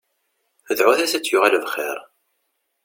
Dɛut-as ad d-yuɣal bxir.